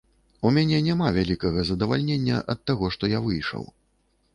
У мяне няма вялікага задавальнення ад таго, што я выйшаў.